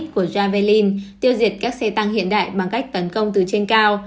của javalin tiêu diệt các xe tăng hiện đại bằng cách tấn công từ trên cao